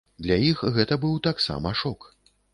Для іх гэта быў таксама шок.